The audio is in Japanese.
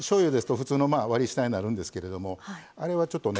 普通の割り下になるんですけれどもあれはちょっとね